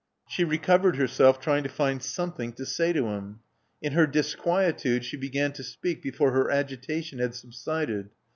She recovered herself, trying to find something to say to him. In her disquietude she began to speak before her agitation had subsided.